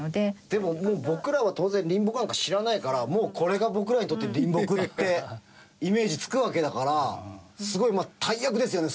でももう僕らは当然りんぼくなんか知らないからもうこれが僕らにとってりんぼくってイメージつくわけだからすごいまあ大役ですよね